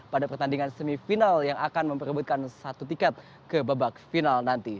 pada pertandingan semifinal yang akan memperebutkan satu tiket ke babak final nanti